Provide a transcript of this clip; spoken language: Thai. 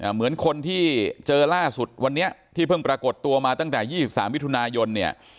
เหมือนคนที่เจอล่าสุดวันนี้ที่เพิ่งปรากฏตัวมาตั้งแต่๒๓มิถุนายนเนี่ย